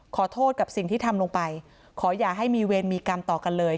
ขอโทษกับสิ่งที่ทำลงไปขออย่าให้มีเวรมีกรรมต่อกันเลย